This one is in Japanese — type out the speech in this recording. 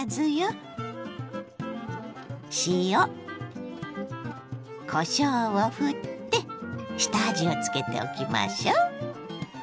塩こしょうをふって下味をつけておきましょう。